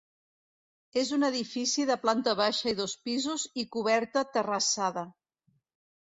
És un edifici de planta baixa i dos pisos i coberta terrassada.